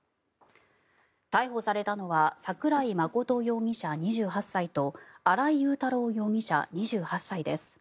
逮捕されたのは桜井真容疑者、２８歳と新井雄太郎容疑者、２８歳です。